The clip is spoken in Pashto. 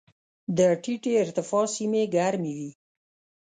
د ټیټې ارتفاع سیمې ګرمې وي.